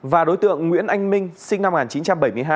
và đối tượng nguyễn anh minh sinh năm một nghìn chín trăm bảy mươi hai